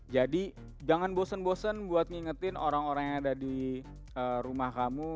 jadi jangan bosen bosen buat mengingatin orang orang yang ada di rumah kamu